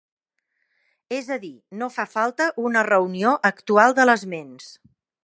Es a dir, no fa falta una reunió actual de les ments.